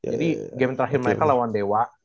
jadi game terakhir mereka lawan dewa